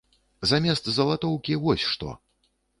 Замест залатоўкі вось што!